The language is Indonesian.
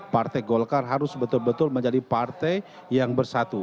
partai golkar harus betul betul menjadi partai yang bersatu